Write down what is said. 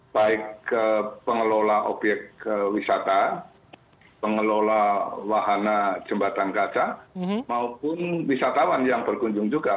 baik ke pengelola obyek wisata pengelola wahana jembatan kaca maupun wisatawan yang berkunjung juga